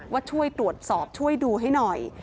ว่าช่วยตรวจสอบช่วยดูให้หน่อย